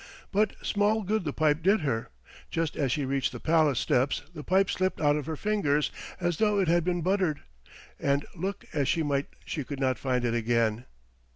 But small good the pipe did her. Just as she reached the palace steps the pipe slipped out of her fingers as though it had been buttered, and look as she might she could not find it again.